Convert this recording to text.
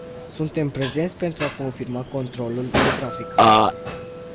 Suntem prezenți pentru a confirma controlul în trafic.